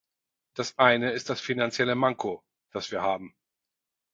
Das eine ist das finanzielle Manko, das wir haben.